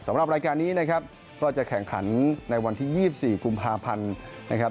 สำหรับรายการนี้นะครับก็จะแข่งขันในวันที่๒๔กุมภาพันธ์นะครับ